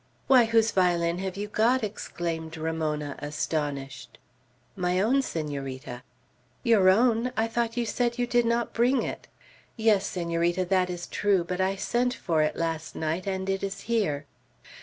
"Why, whose violin have you got?" exclaimed Ramona, astonished. "My own, Senorita." "Your own! I thought you said you did not bring it." "Yes, Senorita, that is true; but I sent for it last night, and it is here."